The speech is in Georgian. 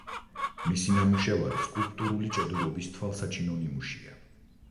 მისი ნამუშევარი სკულპტურული ჭედურობის თვალსაჩინო ნიმუშია.